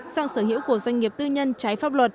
sang sở hữu của doanh nghiệp tư nhân trái pháp luật